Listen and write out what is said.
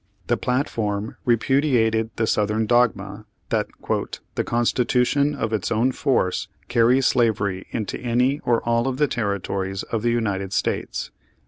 The platform repudiated the Southern dogma that "the Constitution, of its own force, carries slavery into any or all of the territories of the United States."